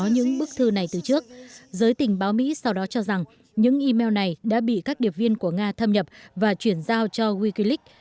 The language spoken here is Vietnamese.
những email này đã bị các điệp viên của nga thâm nhập và chuyển giao cho wikileaks